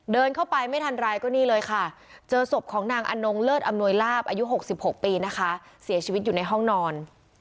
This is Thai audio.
เดินเข้าไปไม่ทันไรก็นี่เลยค่ะเจอศพของนางอนงเลิศอำนวยลาบอายุ๖๖ปีนะคะเสียชีวิตอยู่ในห้องนอน